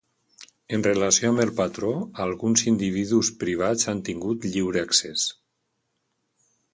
En relació amb el patró, alguns individus privats han tingut lliure accés.